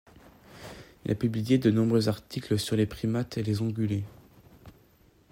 Il a publié de nombreux articles sur les primates et les ongulés.